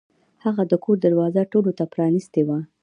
هغه د کور دروازه ټولو ته پرانیستې وه.